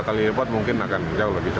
tiga kali repot mungkin akan jauh lebih cepat